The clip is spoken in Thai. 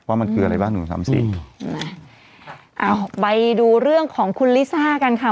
ว่ามันคืออะไรบ้างหนึ่งสามสี่นะอ้าวไปดูเรื่องของคุณลิซ่ากันค่ะ